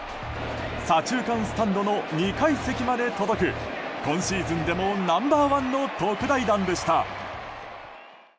左中間スタンドの２階席まで届く今シーズンでもナンバー１の特大弾でした。